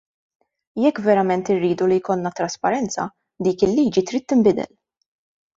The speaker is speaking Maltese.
Jekk verament irridu li jkollna t-trasparenza, dik il-liġi trid tinbidel.